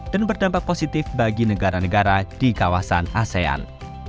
dan berdampak positif bagi negara negara di kawasan asean